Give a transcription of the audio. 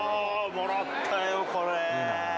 もらったよ、これ。